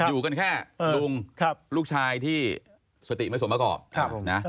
อยู่กันแค่ลุงลูกชายที่สติไม่สมประกอบนะ